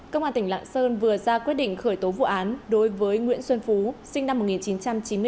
công an tỉnh lạng sơn vừa ra quyết định khởi tố vụ án đối với nguyễn xuân phú sinh năm một nghìn chín trăm chín mươi bốn